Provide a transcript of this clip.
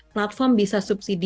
platform bisa subsidi